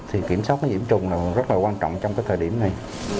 thì kiểm soát nhiễm trùng là rất là quan trọng trong cái thời điểm này